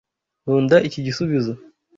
Nkunda iki gisubizo.